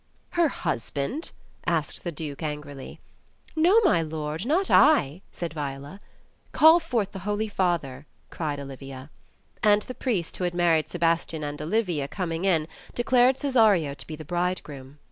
"Her husband?" asked the Duke angrily. "No, my lord, not I," said Viola. "Call forth the holy father," cried Olivia. And the priest who had married Sebastian and Olivia, coming in, declared Cesario to be the bridegroom.